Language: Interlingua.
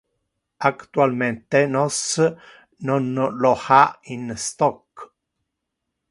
Actualmente nos non lo ha in stock.